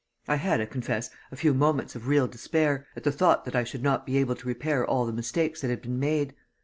I had, I confess, a few moments of real despair, at the thought that I should not be able to repair all the mistakes that had been made.